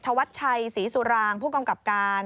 วัดชัยศรีสุรางผู้กำกับการ